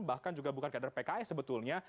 bahkan juga bukan kader pks sebetulnya